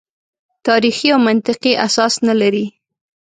تاریخي او منطقي اساس نه لري.